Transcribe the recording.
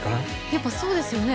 やっぱそうですよね？